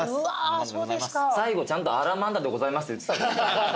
最後ちゃんとアラマンダでございますって言ってた。